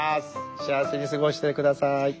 幸せに過ごして下さい。